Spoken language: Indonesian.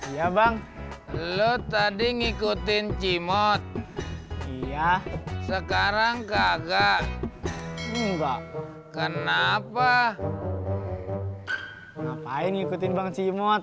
ya bang lo tadi ngikutin cimot iya sekarang kagak kenapa ngapain ngikutin bang cimot